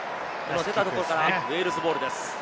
出たところからウェールズボールです。